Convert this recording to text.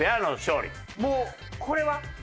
もうこれは？